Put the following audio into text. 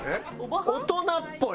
「大人っぽい」。